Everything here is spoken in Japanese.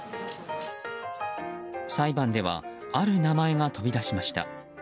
裁判ではある名前が飛び出しました。